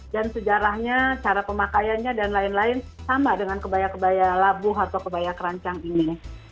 dan sejarahnya cara pemakaiannya dan lain lain sama dengan kebaya kebaya labuh atau kebaya kerancang ini